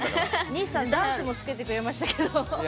西さんダンスもつけてくれましたけど。